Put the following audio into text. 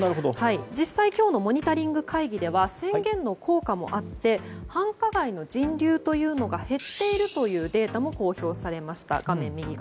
実際、今日のモニタリング会議では宣言の効果もあって繁華街の人流が減っているというデータも公表されました。